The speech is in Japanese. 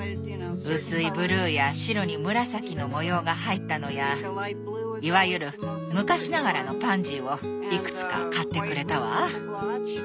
薄いブルーや白に紫の模様が入ったのやいわゆる昔ながらのパンジーをいくつか買ってくれたわ。